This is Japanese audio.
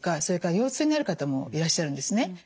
それから腰痛になる方もいらっしゃるんですね。